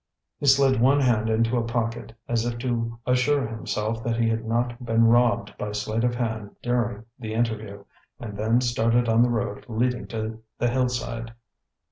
He slid one hand into a pocket, as if to assure himself that he had not been robbed by sleight of hand during the interview, and then started on the road leading to the Hillside.